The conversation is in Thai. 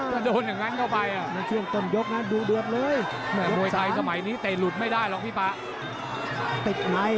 มันเป็นมวยใครสมัยนี้แต่หลุดไม่ได้หรอกพี่ป๊า